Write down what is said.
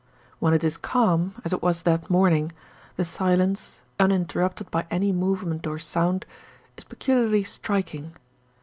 When it is calm, as it was that morning, the silence, uninterrupted by any movement or sound, is peculiarly striking.